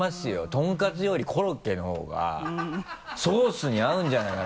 とんかつよりコロッケのほうがソースに合うんじゃないかな？